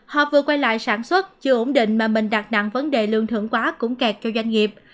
họ vừa quay lại sản xuất chưa ổn định mà mình đặt nặng vấn đề lương thưởng quá cũng kẹt cho doanh nghiệp